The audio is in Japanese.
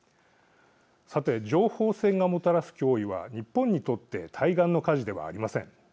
さて、情報戦がもたらす脅威は日本にとって対岸の火事ではありません。